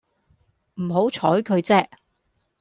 唔好採佢啫